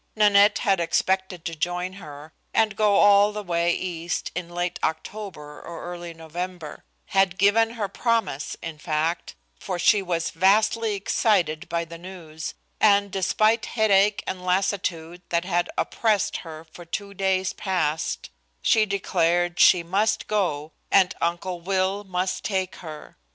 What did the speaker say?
Nanette had expected to join her, and go all the way East in late October or early November; had given her promise, in fact, for she was vastly excited by the news, and despite headache and lassitude that had oppressed her for two days past, she declared she must go, and Uncle Will must take her.